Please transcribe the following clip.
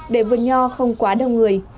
để vườn nho không quá đông người